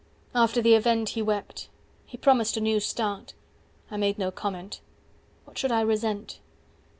After the event He wept. He promised 'a new start.' I made no comment. What should I resent?"